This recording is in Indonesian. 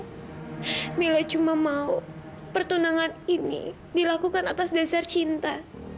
mila cuma mau pertunangan ini dilakukan atas dasar cinta